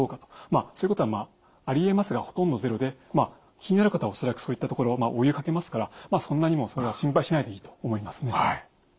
まあそういうことはまあありえますがほとんどゼロで気になる方は恐らくそういった所お湯かけますからそんなにもそれは心配しないでいいと思いますね。